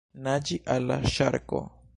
Naĝi al la ŝarko!